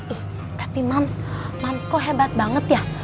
ih tapi mams mams kok hebat banget ya